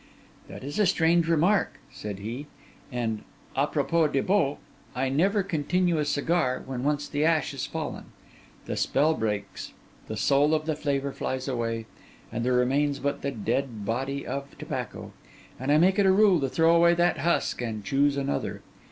'That is a strange remark,' said he; 'and á propos de bottes, I never continue a cigar when once the ash is fallen; the spell breaks, the soul of the flavour flies away, and there remains but the dead body of tobacco; and I make it a rule to throw away that husk and choose another.